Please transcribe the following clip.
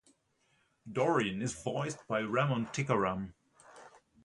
Dorian is voiced by Ramon Tikaram.